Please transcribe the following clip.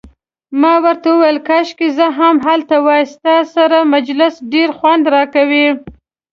ما ورته وویل: کاشکي زه هم هلته وای، ستا سره مجلس ډیر خوند راکوي.